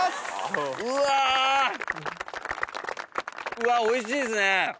うわおいしいっすね！